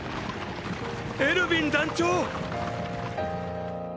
エルヴィン団長！！